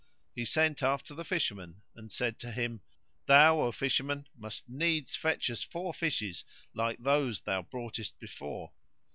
he sent after the Fisherman and said to him, "Thou, O Fisherman, must needs fetch us four fishes like those thou broughtest before."